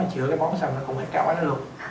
chữa cái bón xong nó cũng hết cái ói được